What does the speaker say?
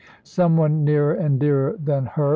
"Some one nearer and dearer than her!"